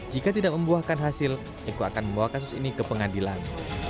jika tidak membuahkan hasil eko akan membawa kasus ini ke pengadilan